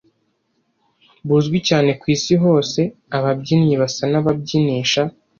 buzwi cyane ku isi hose ababyinnyi basa n ababyinisha